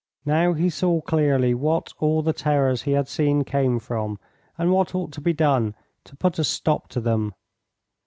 Now he saw clearly what all the terrors he had seen came from, and what ought to be done to put a stop to them.